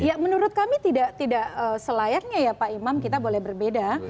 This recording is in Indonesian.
ya menurut kami tidak selayaknya ya pak imam kita boleh berbeda